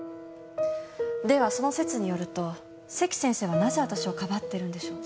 ではその説によると関先生はなぜ私をかばっているのでしょうか？